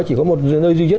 chỉ có một nơi duy nhất